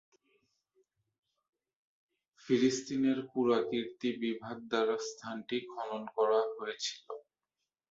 ফিলিস্তিনের পুরাকীর্তি বিভাগ দ্বারা স্থানটি খনন করা হয়েছিল।